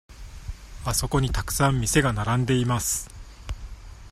あそこにたくさん店が並んでいます。